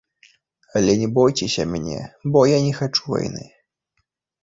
Але не бойцеся мяне, бо я не хачу вайны.